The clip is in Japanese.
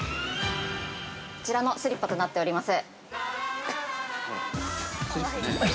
◆こちらのスリッパとなっております。